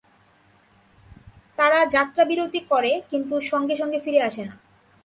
তারা যাত্রাবিরতি করে কিন্তু সঙ্গে সঙ্গে ফিরে আসে না।